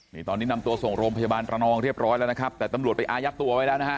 นี่ตอนนี้นำตัวส่งโรงพยาบาลระนองเรียบร้อยแล้วนะครับแต่ตำรวจไปอายัดตัวไว้แล้วนะฮะ